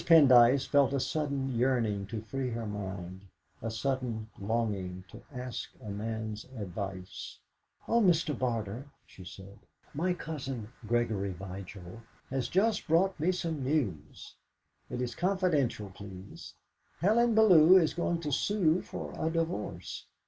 Pendyce felt a sudden yearning to free her mind, a sudden longing to ask a man's advice. "Oh, Mr. Barter," she said, "my cousin, Gregory Vigil, has just brought me some news; it is confidential, please. Helen Bellew is going to sue for a divorce.